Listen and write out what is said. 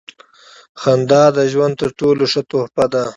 • خندا د ژوند تر ټولو ښه تحفه ده.